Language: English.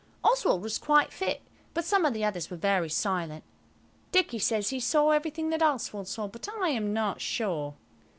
Oswald was quite fit, but some of the others were very silent. Dicky says he saw everything that Oswald saw, but I am not sure.